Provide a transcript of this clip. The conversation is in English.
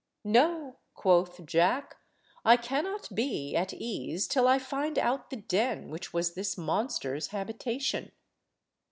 "No," quoth Jack; "I cannot be at ease till I find out the den which was this monster's habitation."